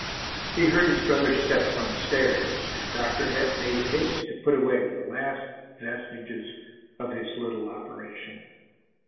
He heard his brother's step on the stairs, and Dr. Ed made haste to put away the last vestiges of his little operation.